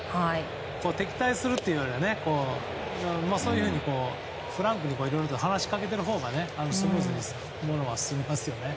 敵対するというよりはフランクにいろいろと話しかけているほうがスムーズに物は進みますよね。